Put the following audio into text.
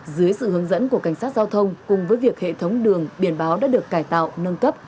dưới sự hướng dẫn của cảnh sát giao thông cùng với việc hệ thống đường biển báo đã được cải tạo nâng cấp